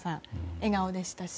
笑顔でしたし。